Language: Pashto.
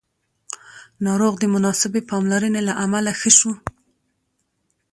ناروغ د مناسبې پاملرنې له امله ښه شو